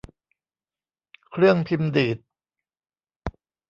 เครื่องพิมพ์ดีด